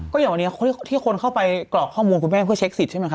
ก็อย่างวันนี้ที่คนเข้าไปกรอกข้อมูลคุณแม่เพื่อเช็คสิทธิใช่ไหมค